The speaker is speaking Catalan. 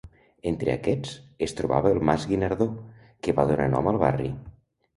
Entre aquests, es trobava el Mas Guinardó, que va donar nom al barri.